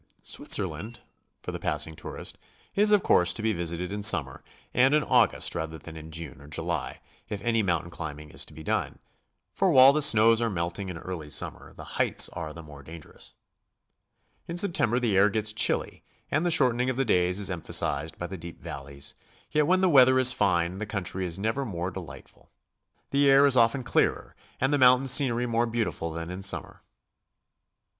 Switzerland, for the passing tourist, is of course to be visited in summer, and in August rather than in June or July, if any mountain climbing is to be done, for while the snows are melting in early summer, the heights are the more dangerous. In September the air gets chilly and the shortening of the days is emphasized by the deep valleys, yet when the weather is fine the country is never more de lightful. The air is often clearer and the mountain scenery more beautiful than in the summer.